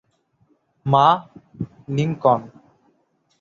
মা, লিংকন।